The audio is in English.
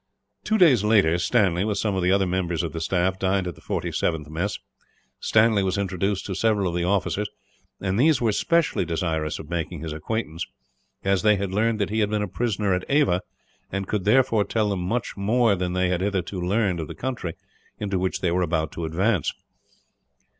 Two days later Stanley, with some of the other members of the staff, dined at the 47th mess. Stanley was introduced to several of the officers; and these were specially desirous of making his acquaintance, as they had learned that he had been a prisoner at Ava, and could therefore tell them much more than they had hitherto learned of the country into which they were about to advance.